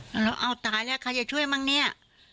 แล้วเราเอาตายแล้วใครจะช่วยมั้งเนี่ย